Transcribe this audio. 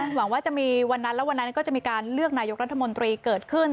หวังว่าจะมีวันนั้นแล้ววันนั้นก็จะมีการเลือกนายกรัฐมนตรีเกิดขึ้น